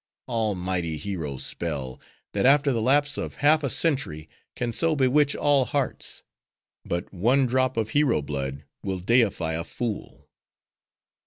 Almighty hero spell! that after the lapse of half a century, can so bewitch all hearts! But one drop of hero blood will deify a fool.